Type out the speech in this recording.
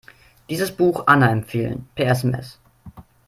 Dieses Buch Anna empfehlen, per SMS.